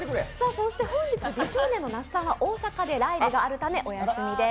そして本日、美少年の那須さんは大阪でライブがあるためお休みです。